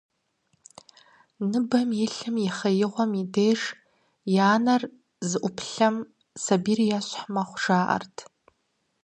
Ныбэм илъым и хъеигъуэм и деж, и анэр зыӀуплъэм сабийр ещхь мэхъу, жаӀэрт.